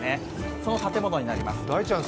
その建物になります。